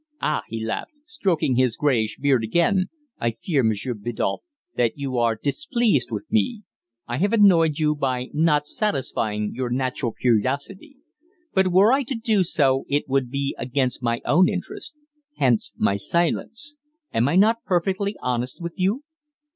"Ah!" he laughed, stroking his greyish beard again, "I fear, Monsieur Biddulph, that you are displeased with me. I have annoyed you by not satisfying your natural curiosity. But were I to do so, it would be against my own interests. Hence my silence. Am I not perfectly honest with you?"